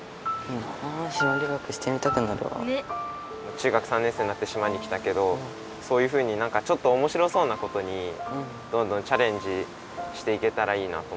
中学３年生になって島に来たけどそういうふうになんかちょっとおもしろそうなことにどんどんチャレンジしていけたらいいなと思って。